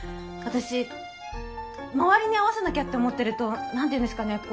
私周りに合わせなきゃって思ってると何て言うんですかね